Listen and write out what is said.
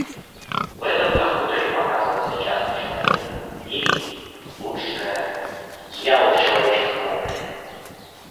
В этом-то хуторе показывался часто человек, или, лучше, дьявол в человеческом образе.